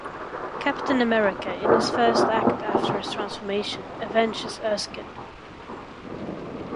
Captain America, in his first act after his transformation, avenges Erskine.